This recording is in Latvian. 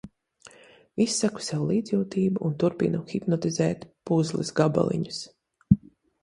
Izsaku sev līdzjūtību un turpinu hipnotizēt puzles gabaliņus.